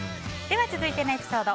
続いてのエピソード。